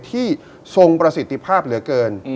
ทรงประสิทธิภาพเหลือเกิน